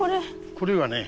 これはね